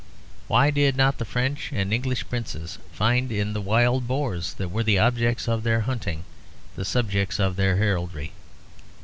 Why did not the French and English princes find in the wild boars, that were the objects of their hunting, the subjects of their heraldry?